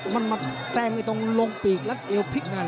มันมาแซงตรงลงปีกแล้วเอวพลิกงาน